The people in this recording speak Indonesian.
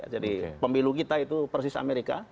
jadi pemilu kita itu persis amerika